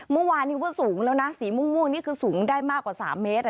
เมื่อวานนี้ว่าสูงแล้วนะสีม่วงนี่คือสูงได้มากกว่า๓เมตร